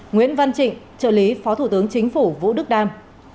nguyễn văn trịnh trợ lý phó thủ tướng chính phủ vũ đức đam